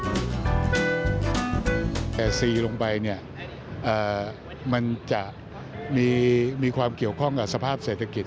แต่ซีลงไปเนี่ยมันจะมีความเกี่ยวข้องกับสภาพเศรษฐกิจ